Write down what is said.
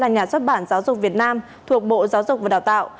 nhà xuất bản giáo dục việt nam thuộc bộ giáo dục và đào tạo